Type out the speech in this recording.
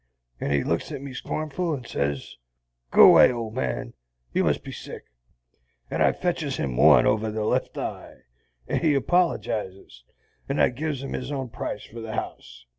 And he looks at me scornful, and sez, 'Go 'way, old man; you must be sick.' And I fetches him one over the left eye, and he apologizes, and I gives him his own price for the house.